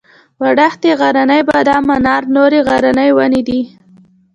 وړښتی غرنی بادام انار نورې غرنۍ ونې دي.